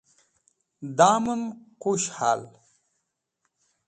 damaan qush hal